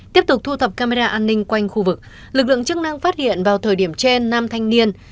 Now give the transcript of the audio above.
tiếp tục thu thập camera an ninh quanh khu vực lực lượng chức năng phát hiện vào thời điểm trên nam thanh niên